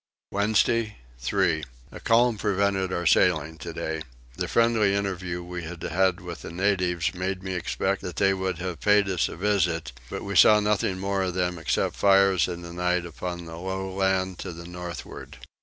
Wednesday 3. A calm prevented our sailing today. The friendly interview which we had had with the natives made me expect that they would have paid us a visit; but we saw nothing more of them except fires in the night upon the low land to the northward.